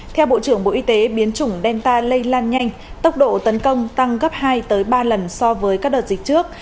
theo bộ trưởng bộ y tế biến chủng delta lây lan nhanh tốc độ tấn công tăng gấp hai ba lần so với các đợt dịch trước